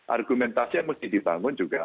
argumentasi yang mesti dibangun juga